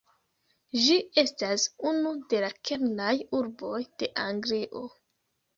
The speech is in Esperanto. Ĝi estas unu de la kernaj urboj de Anglio.